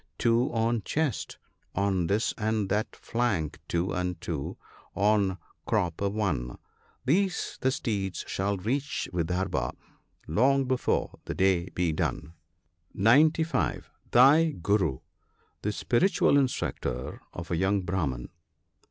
Two on chest, on this and that flank two and two, on crupper one, These the steeds shall reach Vidarbha long before the day be done." (95 > Thy Gtirti, — The spiritual instructor of a young Brahman.